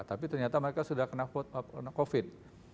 tapi ternyata mereka sudah kena covid